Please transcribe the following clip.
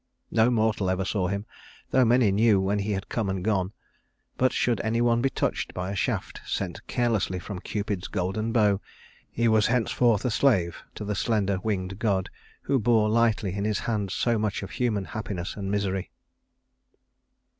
No mortal ever saw him, though many knew when he had come and gone; but should any one be touched by a shaft sent carelessly from Cupid's golden bow, he was henceforth a slave to the slender winged god who bore lightly in his hand so much of human happiness and misery.